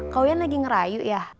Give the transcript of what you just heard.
kau yang lagi ngerayu ya